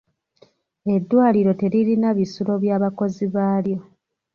Eddwaliro teririna bisulo by'abakozi baalyo.